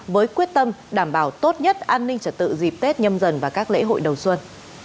với quyết tâm đảm bảo tốt nhất an ninh trật tự dịp tết nhâm dần và các lễ hội đầu xuân